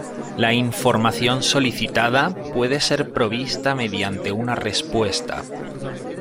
La información solicitada puede ser provista mediante una respuesta.